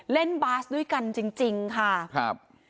เล่นบาสด้วยกันจริงค่ะ